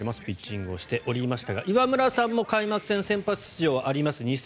ピッチングをしておりましたが岩村さんも開幕戦先発出場があります